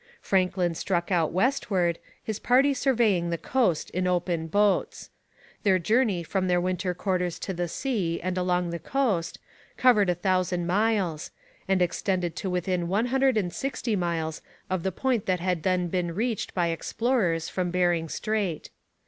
Franklin struck out westward, his party surveying the coast in open boats. Their journey from their winter quarters to the sea and along the coast covered a thousand miles, and extended to within one hundred and sixty miles of the point that had then been reached by explorers from Bering Strait.